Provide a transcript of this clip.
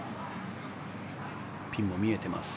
ピンも見えています。